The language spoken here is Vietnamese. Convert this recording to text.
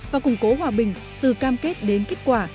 và củng cố hòa bình từ cam kết đến kết quả